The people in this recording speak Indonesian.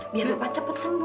biar bapak cepat sembuh